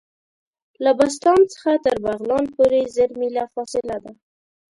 له بسطام څخه تر بغلان پوري زر میله فاصله ده.